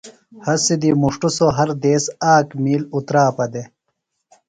ہسی دی مُݜٹوۡ ہر دیس آک مِیل اُتراپہ دےۡ۔